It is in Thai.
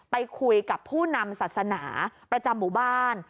ไปคุยกับผู้นำศาสนาประจำหมู่บ้าน